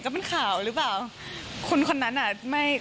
เขาอาจจะพรุ่งเข้ามาได้